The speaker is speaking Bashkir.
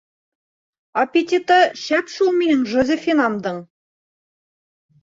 - Аппетиты шәп шул минең Жозефинамдың.